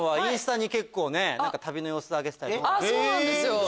そうなんですよ。